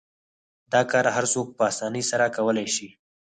دا کار هر څوک په اسانۍ سره کولای شي.